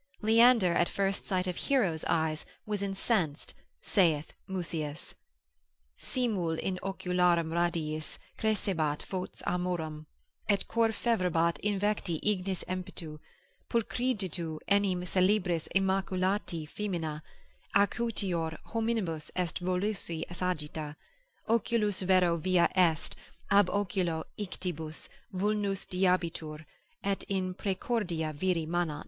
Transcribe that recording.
Leander, at the first sight of Hero's eyes, was incensed, saith Musaeus. Simul in oculorum radiis crescebat fax amorum, Et cor fervebat invecti ignis impetu; Pulchritudo enim Celebris immaculatae foeminae, Acutior hominibus est veloci sagitta. Oculos vero via est, ab oculi ictibus Vulnus dilabitur, et in praecordia viri manat.